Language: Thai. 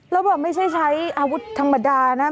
แล้วแบบไม่ใช่ใช้อาวุธธรรมดานะ